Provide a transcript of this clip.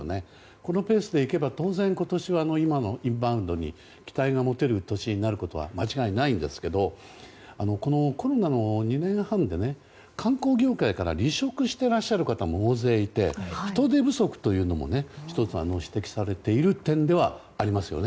このペースでいけば当然、今年は今のインバウンドに期待が持てる年になることは間違いないんですがコロナの２年半で観光業界から離職していらっしゃる方も大勢いて人手不足というのも１つ指摘されている点ではありますよね。